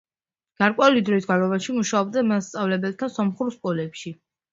გარკვეული დროის განმავლობაში მუშაობდა მასწავლებლად სომხურ სკოლებში.